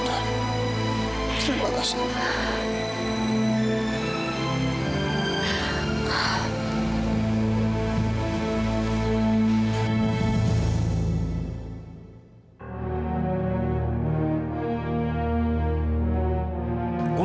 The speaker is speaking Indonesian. terima kasih tuhan